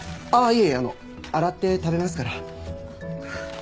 いえいえあの洗って食べますから。